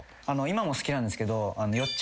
今も好きなんですけどよっ